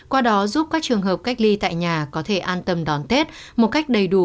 qua đó giúp các trường hợp cách ly tại nhà có thể an tâm đón tết một cách đầy đủ